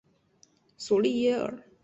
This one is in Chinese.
索利耶尔。